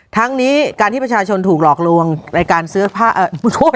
ทั้งนี้การที่ประชาชนถูกหลอกลวงรายการซื้อผ้าเอ่อโอ๊ยโอ๊ยโอ๊ย